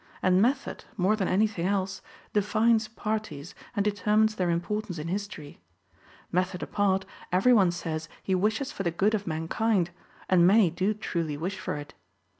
And method, more than anything else, defines parties and determines their importance in history. Method apart, every one says he wishes for the good of mankind; and many do truly wish for it.